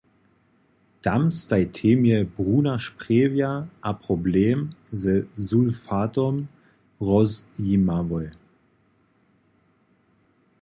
Tam staj temje bruna Sprjewja a problem ze sulfatom rozjimałoj.